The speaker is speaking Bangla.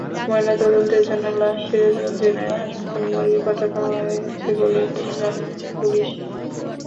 ময়নাতদন্তের জন্য লাশ সিরাজগঞ্জ জেনারেল হাসপাতাল মর্গে পাঠানো হয়েছে বলে জানিয়েছে পুলিশ।